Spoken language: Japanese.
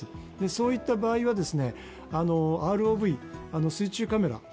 そういった場合はＲＯＶ水中カメラ、